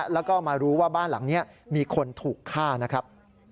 แล้วก็มารู้ว่าบ้านหลังนี้มีคนถูกฆ่านะครับ